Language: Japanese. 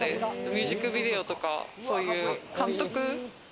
ミュージックビデオとか、そういう監督。